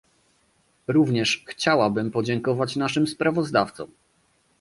Również chciałabym podziękować naszym sprawozdawcom